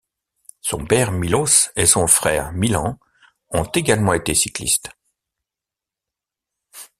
Son père Miloš et son frère Milan ont également été cyclistes.